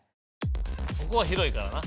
ここは広いからな。